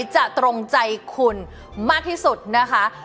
ตรงใจคุณมากที่สุดนะคะ